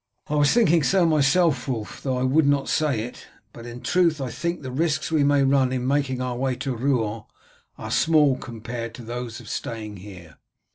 "I was thinking so myself, Wulf, though I would not say it; but in truth I think the risks we may run in making our way to Rouen are small compared to those of staying here."